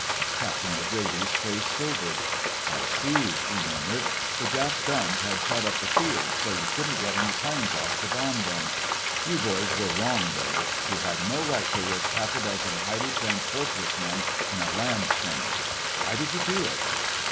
Captain O'Grady's face sobered. "I see," he murmured. "The Jap guns had shot up the field so you couldn't get any planes off to bomb them. You boys were wrong, though. You had no right to risk half a dozen highly trained Fortress men in a land skirmish. Why did you do it?"